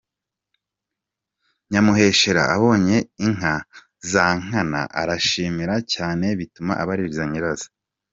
Nyamuheshera abonye inka za Nkana arazishima cyane, bituma abaririza nyirazo.